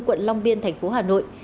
quận long biên tp hà nội